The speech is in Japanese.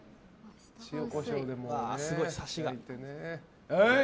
すごい、サシが。